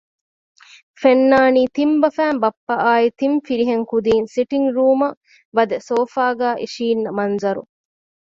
ފެންނާނީ ތިން ބަފައިން ބައްޕައާއި ތިން ފިރިހެން ކުދީން ސިޓިންގ ރޫމަށް ވަދެ ސޯފާގައި އިނށީންނަ މަންޒަރު